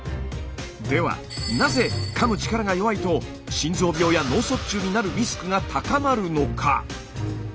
ではなぜかむ力が弱いと心臓病や脳卒中になるリスクが高まるのか？